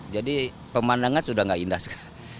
jadi pemandangan sudah nggak indah sekali